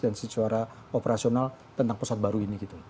dan secara operasional tentang pusat baru ini gitu